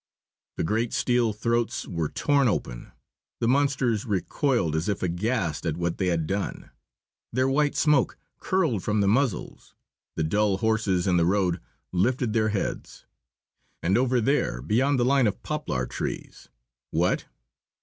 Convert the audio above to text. The great steel throats were torn open. The monsters recoiled, as if aghast at what they had done. Their white smoke curled from the muzzles. The dull horses in the road lifted their heads. And over there, beyond the line of poplar trees, what?